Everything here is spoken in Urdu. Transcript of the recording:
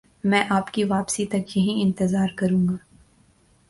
میں آپ کی واپسی تک یہیں انتظار کروں گا